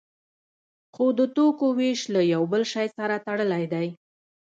خو د توکو ویش له یو بل شی سره تړلی دی.